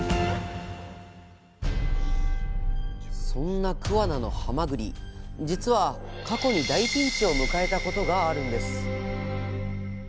そんな桑名のはまぐり実は過去に大ピンチを迎えたことがあるんです。